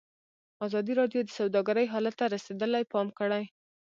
ازادي راډیو د سوداګري حالت ته رسېدلي پام کړی.